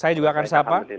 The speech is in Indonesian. saya juga akan sapa